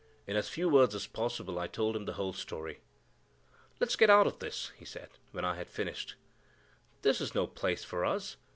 In as few words as possible I told him the whole story. "Let's get out of this," he said when I had finished; "this is no place for us.